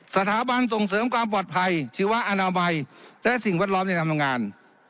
สถาบันส่งเสริมความปลอดภัยชีวอนามัยและสิ่งแวดล้อมในการทำงาน